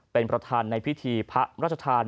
เป็นประธานในพิธีพระราชทาน